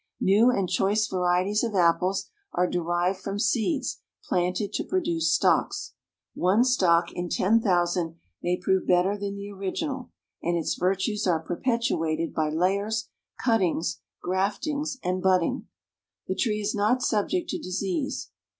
New and choice varieties of apples are derived from seeds planted to produce stocks. One stock in ten thousand may prove better than the original, and its virtues are perpetuated by layers, cuttings, graftings and budding. The tree is not subject to disease.